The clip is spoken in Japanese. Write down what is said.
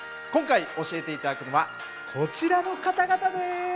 今回教えて頂くのはこちらの方々です。